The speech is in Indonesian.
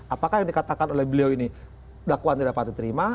apakah yang dikatakan oleh beliau ini dakwaan tidak patut diterima